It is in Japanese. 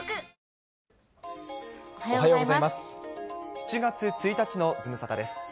７月１日のズムサタです。